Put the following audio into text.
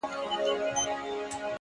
هره لاسته راوړنه د صبر ثمره ده!